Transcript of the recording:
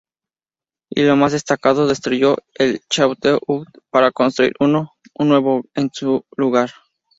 Y lo más destacado, destruyó el Château-Haut para construir uno nuevo en su lugar.